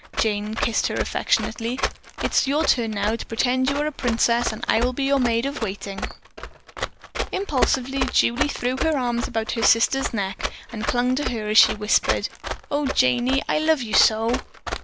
Jane kissed her affectionately. "It's your turn now to pretend you are a princess and I will be your maid of waiting." Impulsively Julie threw her arms about her sister's neck and clung to her as she whispered: "Oh, Janey, I love you so!"